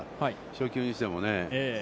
初球にしてもね。